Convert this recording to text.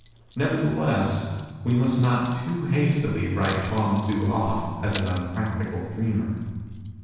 Nevertheless, we must not too hastily write Chuang Tzu off as an unprac tical dreamer.